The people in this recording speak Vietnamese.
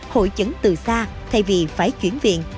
hội chứng từ xa thay vì phải chuyển viện